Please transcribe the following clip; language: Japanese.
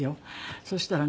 そしたらね